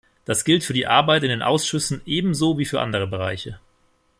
Das gilt für die Arbeit in den Ausschüssen ebenso wie für andere Bereiche.